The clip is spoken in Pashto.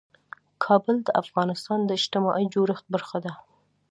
کابل د افغانستان د اجتماعي جوړښت برخه ده.